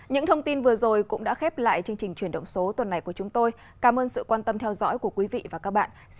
những thông tin vừa rồi cũng đã khép lại chương trình chuyển động số tuần này của chúng tôi cảm ơn sự quan tâm theo dõi của quý vị và các bạn xin kính chào và hẹn gặp lại